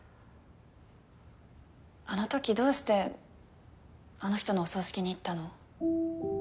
あのときどうしてあの人のお葬式に行ったの？